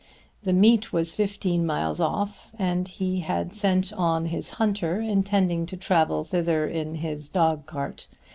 The meet was fifteen miles off and he had sent on his hunter, intending to travel thither in his dog cart.